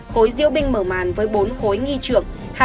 khối diễu binh mở màn với bốn khối nghi trượng